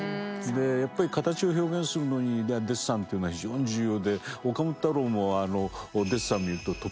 やっぱり形を表現するのにデッサンというのは非常に重要で岡本太郎もデッサン見るととっても上手ですよね。